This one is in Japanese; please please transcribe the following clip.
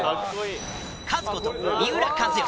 カズこと三浦知良。